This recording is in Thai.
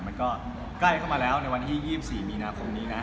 มันก็ใกล้เข้ามาแล้วในวันที่๒๔มีนาคมนี้นะ